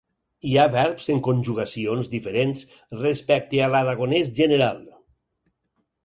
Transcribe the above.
Hi ha verbs en conjugacions diferents respecte a l'aragonès general.